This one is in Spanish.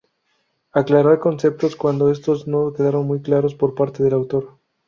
Aclarar conceptos, cuando estos no quedaron muy claros por parte del autor.